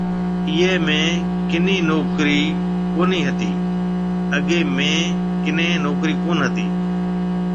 اگيَ ميه ڪني نوڪرِي ڪونِي هتِي۔